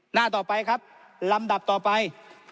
หน้าต่อไปครับลำดับต่อไป